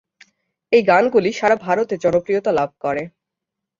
এই গানগুলি সারা ভারতে জনপ্রিয়তা লাভ করে।